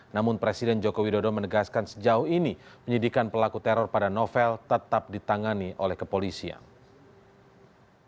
namun presiden joko widodo menegaskan sejauh ini penyidikan pelaku teror pada novel tetap ditangani oleh kepolisian